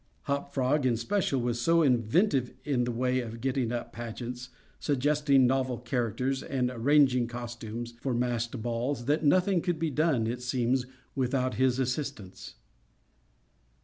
Hop Frog, in especial, was so inventive in the way of getting up pageants, suggesting novel characters, and arranging costumes, for masked balls, that nothing could be done, it seems, without his assistance.